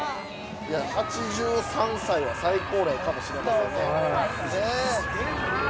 ◆いや、８３歳は最高齢かもしれませんね。